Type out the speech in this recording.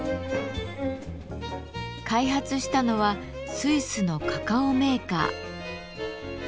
開発したのはスイスのカカオメーカー。